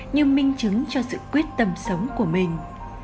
như minh chứng cho sự quyết tâm sống của mình